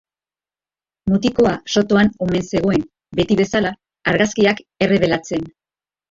Mutikoa sotoan omen zegoen, beti bezala, argazkiak errebelatzen.